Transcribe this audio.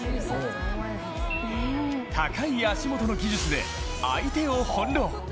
高い足元の技術で相手を翻弄。